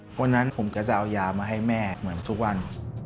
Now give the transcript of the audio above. เพราะฉะนั้นผมก็จะเอายามาให้แม่เหมือนทุกวัน